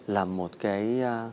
là một cái